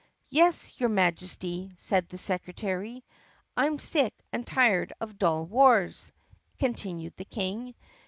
"Yes, your Majesty," said the secretary. "I 'm sick and tired of dull wars," continued the King.